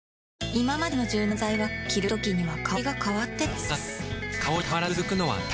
いままでの柔軟剤は着るときには香りが変わってた